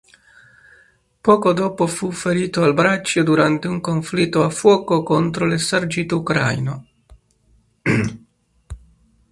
Poco dopo fu ferito al braccio durante un conflitto a fuoco contro l'esercito ucraino.